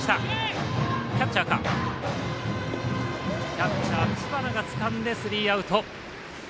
キャッチャー、知花がつかんでスリーアウト。